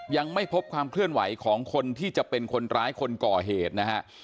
ยังไม่พบความเคลื่อนไหวของคนที่จะเป็นคนร้ายคนก่อเหตุนะฮะ